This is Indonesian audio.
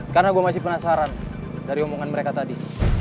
karena gue masih penasaran dari omongan mereka tadi